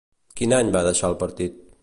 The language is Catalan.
Quin any va deixar el partit?